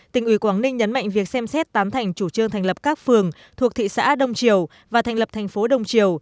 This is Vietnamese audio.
tỉnh ủy quảng ninh nhấn mạnh việc xem xét tám thành chủ trương thành lập các phường thuộc thị xã đông triều và thành lập thành phố đông triều